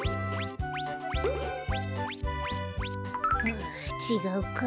あちがうか。